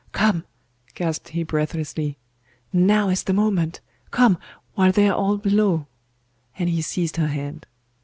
'Come!' gasped he breathlessly. 'Now is the moment! Come, while they are all below!' and he seized her hand.